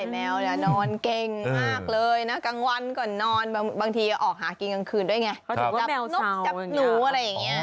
เป็นสัตว์ที่นอนได้นอนดีนอนทั้งวันนะ